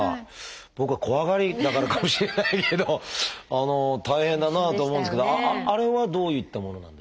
僕が怖がりだからかもしれないけど大変だなあと思うんですけどあれはどういったものなんですか？